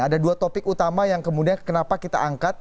ada dua topik utama yang kemudian kenapa kita angkat